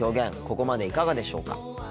ここまでいかがでしょうか。